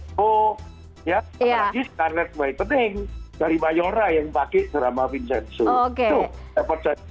dan lagi skarnet whitening dari mayora yang pakai drama vincenzo